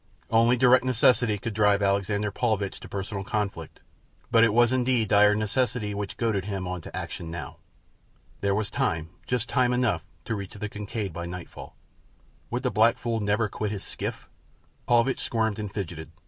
Only direct necessity could drive Alexander Paulvitch to personal conflict; but it was indeed dire necessity which goaded him on to action now. There was time, just time enough, to reach the Kincaid by nightfall. Would the black fool never quit his skiff? Paulvitch squirmed and fidgeted.